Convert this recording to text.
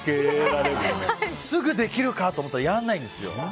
すぐできるかと思ったらやらないんですよ。